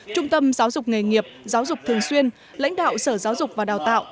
trung tâm giáo dục nghề nghiệp giáo dục thường xuyên lãnh đạo sở giáo dục và đào tạo